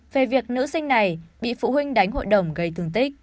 về việc nữ sinh này bị phụ huynh đánh hội đồng gây thương tích